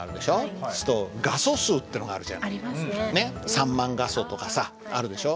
３万画素とかさあるでしょ。